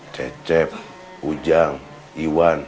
cecep ujang iwan